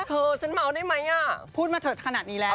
เธอฉันเมาได้ไหมพูดมาเถอะขนาดนี้แล้ว